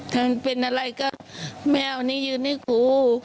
ถ้ามันเป็นอะไรก็แม่เอาอยู่ในครู